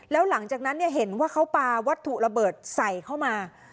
แล้วหลังจากนั้นเห็นว่าเขาปลาวัตถุระเบิดใส่เข้ามา